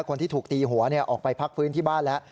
คนที่ถูกตีหัวออกไปพักฟื้นที่บ้านแล้ว